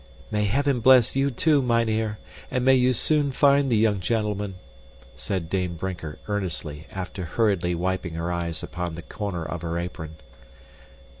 "May Heaven bless you, too, mynheer, and may you soon find the young gentleman," said Dame Brinker earnestly, after hurriedly wiping her eyes upon the corner of her apron.